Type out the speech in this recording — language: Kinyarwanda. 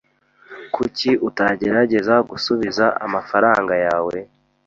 Kuki utagerageza gusubiza amafaranga yawe?